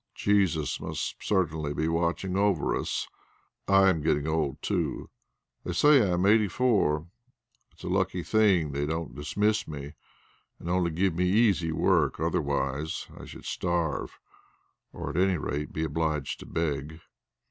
Jesus must certainly be watching over us. I am getting old too; they say I am eighty four. It is a lucky thing that they don't dismiss me, and only give me easy work; otherwise I should starve, or at any rate be obliged to beg."